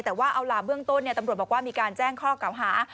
แต่ว่าเอาล่ะเบื้องต้นตำรวจบอกว่ามีการแจ้งข้อเก่าหา